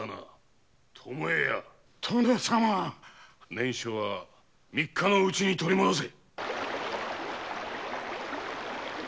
念書は三日のうちに取り戻せ！